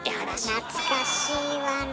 懐かしいわね。